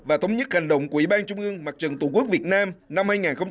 và thống nhất hành động của ủy ban trung ương mặt trận tổ quốc việt nam năm hai nghìn hai mươi bốn